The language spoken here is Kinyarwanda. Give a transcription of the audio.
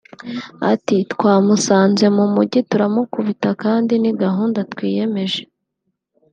ati” Twamusanze mu mujyi turamukubita kandi ni gahunda twiyemeje